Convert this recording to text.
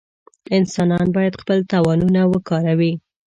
انسانان باید خپل توانونه وکاروي.